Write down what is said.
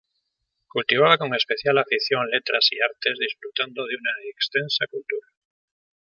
Cultivaba con especial afición letras y artes, disfrutando de una extensa cultura.